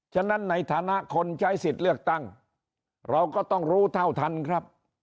ฉะนั้นในฐานะคนใช้สิทธิ์เลือกตั้งเราก็ต้องรู้เท่าทันครับ